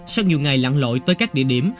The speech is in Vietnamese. sau nhiều ngày lặng lội tới các địa điểm